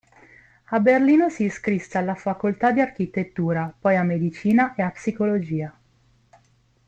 A Berlino si iscrisse alla facoltà di architettura, poi a medicina e a psicologia.